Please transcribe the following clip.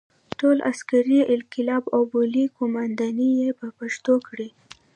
ټول عسکري القاب او بولۍ قوماندې یې په پښتو کړې.